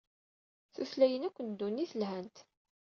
Tutlayin akk n ddunit lhant.